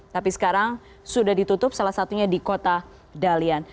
tapi sekarang sudah ditutup salah satunya di kota dalian